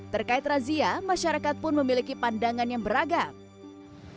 terkait razia masyarakat pun memiliki pandangan yang beragam